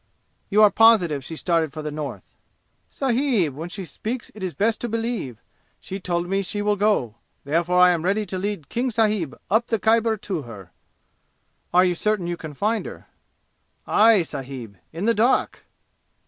"You are positive she has started for the North?" "Sahib, when she speaks it is best to believe! She told me she will go. Therefore I am ready to lead King sahib up the Khyber to her!" "Are you certain you can find her?" "Aye, sahib, in the dark!"